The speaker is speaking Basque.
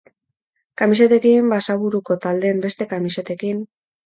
Kamisetekin, Basaburuko taldeen beste kamisetekin...